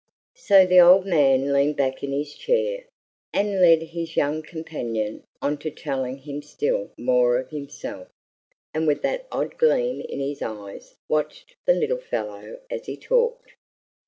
So the old man leaned back in his chair, and led his young companion on to telling him still more of himself, and with that odd gleam in his eyes watched the little fellow as he talked.